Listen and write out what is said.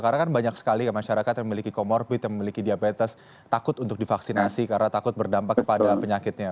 karena kan banyak sekali masyarakat yang memiliki comorbid yang memiliki diabetes takut untuk divaksinasi karena takut berdampak kepada penyakitnya